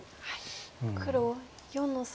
黒４の三。